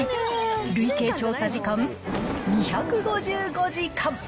累計調査時間２５５時間。